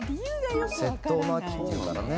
「窃盗の秋」って言うからね。